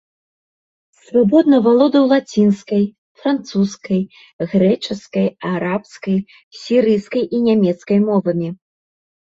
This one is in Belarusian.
Свабодна валодаў лацінскай, французскай, грэчаскай, арабскай, сірыйскай і нямецкай мовамі.